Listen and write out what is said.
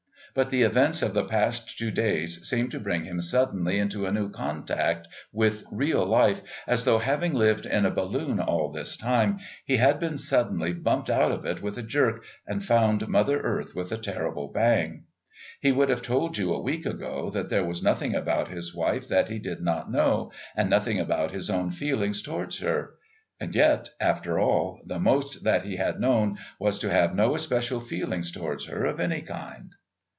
But the events of the past two days seemed to bring him suddenly into a new contact with real life, as though, having lived in a balloon all this time, he had been suddenly bumped out of it with a jerk and found Mother Earth with a terrible bang. He would have told you a week ago that there was nothing about his wife that he did not know and nothing about his own feelings towards her and yet, after all, the most that he had known was to have no especial feelings towards her of any kind.